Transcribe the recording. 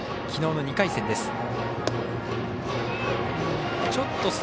きのうの２回戦です。